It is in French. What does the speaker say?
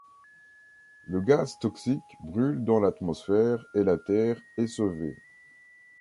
Le gaz toxique brûle dans l'atmosphère et la Terre est sauvée.